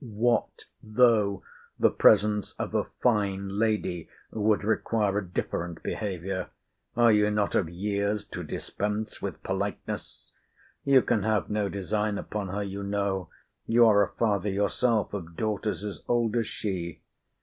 What though the presence of a fine lady would require a different behaviour, are you not of years to dispense with politeness? You can have no design upon her, you know. You are a father yourself of daughters as old as she.